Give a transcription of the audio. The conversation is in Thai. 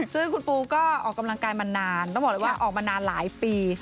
ซึ่งคุณปูก็ออกกำลังกายมานานต้องบอกเลยว่าออกมานานหลายปี